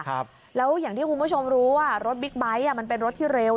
ครับแล้วอย่างที่คุณผู้ชมรู้ว่ารถบิ๊กไบท์อ่ะมันเป็นรถที่เร็ว